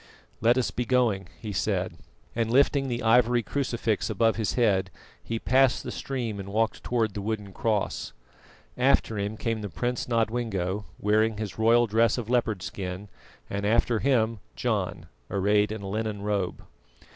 "Let us be going," he said, and lifting the ivory crucifix above his head, he passed the stream and walked towards the wooden cross. After him came the Prince Nodwengo, wearing his royal dress of leopard skin, and after him, John, arrayed in a linen robe.